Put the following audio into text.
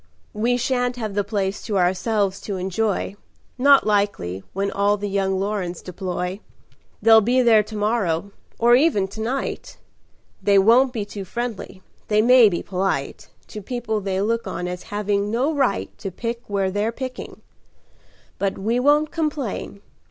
"We sha'n't have the place to ourselves to enjoy Not likely, when all the young Lorens deploy. They'll be there to morrow, or even to night. They won't be too friendly they may be polite To people they look on as having no right To pick where they're picking. But we won't complain.